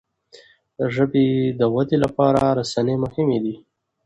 د ژبي د ودې لپاره رسنی مهمي دي.